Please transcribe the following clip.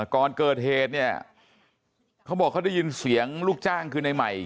ก่อนเกิดเหตุเนี่ยเขาบอกเขาได้ยินเสียงลูกจ้างคือในใหม่